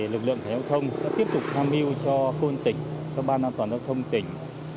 lực lượng cảnh sát giao thông sẽ tiếp tục tham mưu cho thôn tỉnh cho ban an toàn giao thông tỉnh